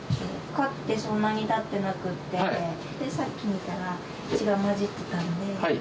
飼ってそんなにたってなくって、さっき見たら血が混じってたんで。